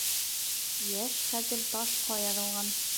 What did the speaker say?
Йәш хәтер ташҡа яҙған